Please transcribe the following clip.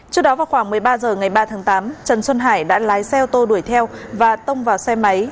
trước đó vào khoảng một mươi ba h ngày ba tháng tám trần xuân hải đã lái xe ô tô đuổi theo và tông vào xe máy